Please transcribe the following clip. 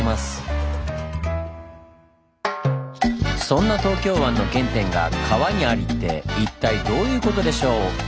そんな東京湾の原点が川にありって一体どういうことでしょう？